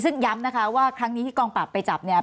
ซึ่งย้ำนะคะว่าครั้งนี้ที่กองปราบไปจับเนี่ย